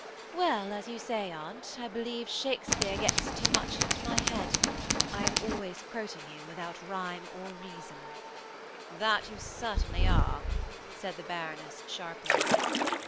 Well, as you say, Aunt, I believe Shakespeare gets too much into my head, I am always quoting him without rhyme or reason." "That you certainly are," said the Baroness sharply.